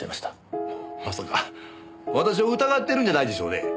まさか私を疑ってるんじゃないでしょうね！？